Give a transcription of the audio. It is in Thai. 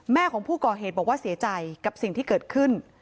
แม่ของผู้ก่อเหตุบอกว่าเสียใจกับสิ่งที่เกิดขึ้น